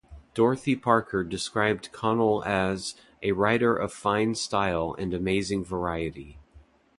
Dorothy Parker described Connell as "a writer of fine style and amazing variety".